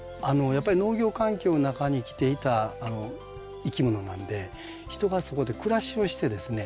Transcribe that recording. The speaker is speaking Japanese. やっぱり農業環境の中に生きていたいきものなので人がそこで暮らしをしてですね